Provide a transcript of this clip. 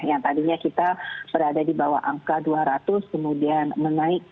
yang tadinya kita berada di bawah angka dua ratus